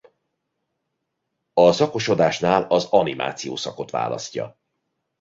A szakosodásnál az animáció szakot választja.